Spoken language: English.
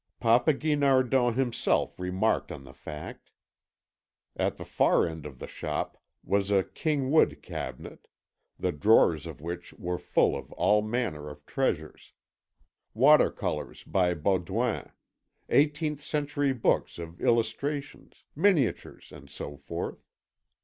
Papa Guinardon himself remarked on the fact. At the far end of the shop was a king wood cabinet, the drawers of which were full of all manner of treasures: water colours by Baudouin, eighteenth century books of illustrations, miniatures, and so forth.